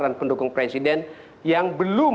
calon pendukung presiden yang belum